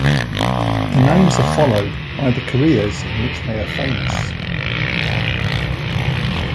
The names are followed by the careers in which they are famous.